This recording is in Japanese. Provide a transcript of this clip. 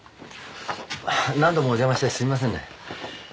何度もお邪魔してすいませんね